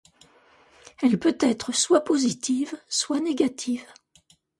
Elle peut être soit positive, soit négative.